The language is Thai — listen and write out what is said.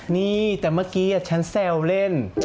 นี่แต่เมื่อกี้ฉันแซวเล่น